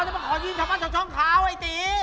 จะมาขอยืนชาวช้องขาวไอ้ตี